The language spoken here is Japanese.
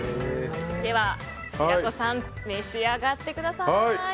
では、平子さん召し上がってください。